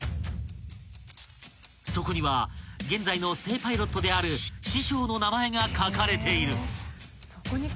［そこには現在の正パイロットである師匠の名前が書かれている］